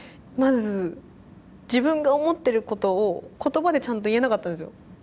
まず自分が思ってることを言葉でちゃんと言えなかったんですよ。